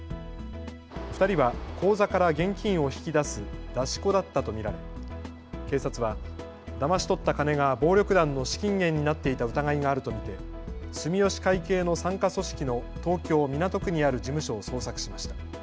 ２人は口座から現金を引き出す出し子だったと見られ警察はだまし取った金が暴力団の資金源になっていた疑いがあると見て住吉会系の傘下組織の東京港区にある事務所を捜索しました。